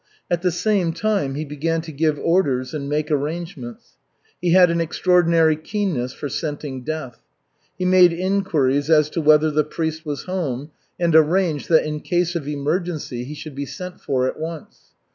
At the same time he began to give orders and make arrangements. He had an extraordinary keenness for scenting death. He made inquiries as to whether the priest was home and arranged that in case of emergency he should be sent for at once.